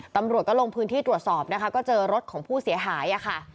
ตำรวจก็ลงพื้นที่ตรวจสอบนะคะก็เจอรถของผู้เสียหายค่ะ